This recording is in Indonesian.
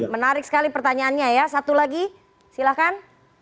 menarik sekali pertanyaannya ya satu lagi silahkan